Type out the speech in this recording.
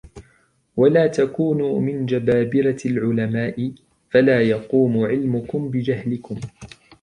وَلَا تَكُونُوا مِنْ جَبَابِرَةِ الْعُلَمَاءِ فَلَا يَقُومُ عِلْمُكُمْ بِجَهْلِكُمْ